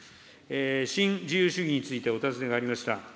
新自由主義についてお尋ねがありました。